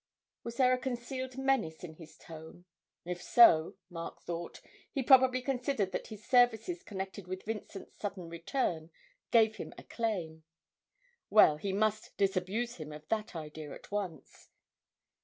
Was there a concealed menace in his tone? If so, Mark thought, he probably considered that his services connected with Vincent's sudden return gave him a claim. Well, he must disabuse him of that idea at once.